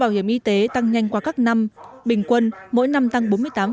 bảo hiểm y tế tăng nhanh qua các năm bình quân mỗi năm tăng bốn mươi tám